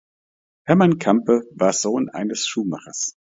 Hermann Campe war Sohn eines Schuhmachers.